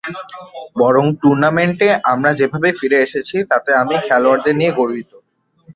বরং টুর্নামেন্টে আমরা যেভাবে ফিরে এসেছি, তাতে আমি খেলোয়াড়দের নিয়ে গর্বিত।